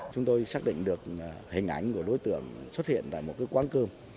chúng tôi xác định được hình ảnh của đối tượng xuất hiện tại một quán cơm